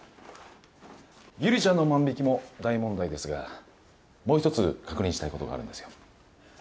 悠里ちゃんの万引きも大問題ですがもう一つ確認したい事があるんですよ。